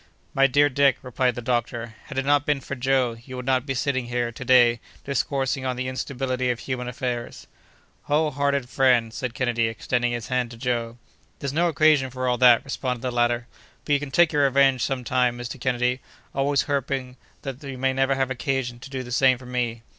"My dear Dick," replied the doctor, "had it not been for Joe, you would not be sitting here, to day, discoursing on the instability of human affairs." "Whole hearted friend!" said Kennedy, extending his hand to Joe. "There's no occasion for all that," responded the latter; "but you can take your revenge some time, Mr. Kennedy, always hoping though that you may never have occasion to do the same for me!"